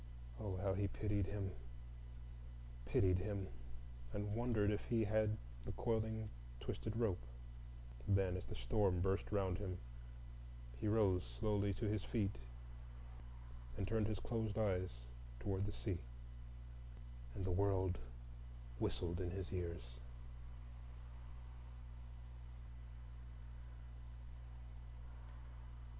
Oh, how he pitied him,—pitied him,—and wondered if he had the coiling twisted rope. Then, as the storm burst round him, he rose slowly to his feet and turned his closed eyes toward the Sea. And the world whistled in his ears.